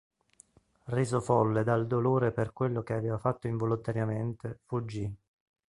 Reso folle dal dolore per quello che aveva fatto involontariamente, fuggì.